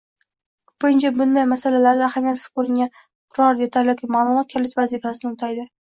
Koʻpincha bunday masalalarda ahamiyatsiz koʻringan biror detal yoki maʼlumot kalit vazifasini oʻtaydi